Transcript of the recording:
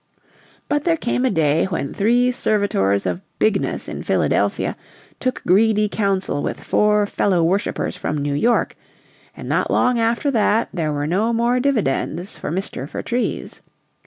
But there came a day when three servitors of Bigness in Philadelphia took greedy counsel with four fellow worshipers from New York, and not long after that there were no more dividends for Mr. Vertrees.